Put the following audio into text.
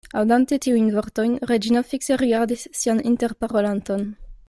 Aŭdante tiujn vortojn, Reĝino fikse rigardis sian interparolanton.